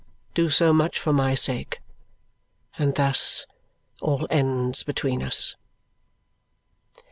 Do so much for my sake, and thus all ends between us!"